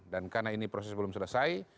dan karena ini proses belum selesai